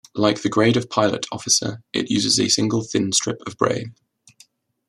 Like the grade of pilot officer, it uses a single thin strip of braid.